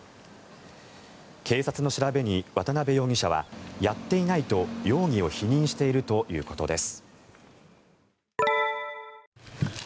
警察の調べに渡辺容疑者はやっていないと容疑を否認しているということです。